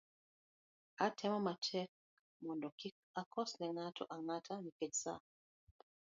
atemo matek mondo kik akos ne ng'ato ang'ata nikech saa,